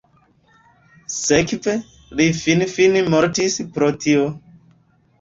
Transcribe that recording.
Sekve, li finfine mortis pro tio.